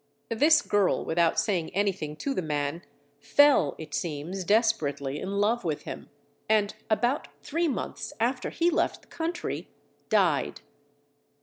This girl without saying anything to the man, fell it seems desperately in love with him, and about three months after he left the country, died.